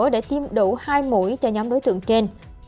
để tiêm đủ hai mũi cho nhóm đối tượng trên